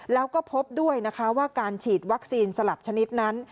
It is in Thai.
แล้วก็พบด้วยนะคะว่าการฉีดวัคซีนสลับชนิดนั้น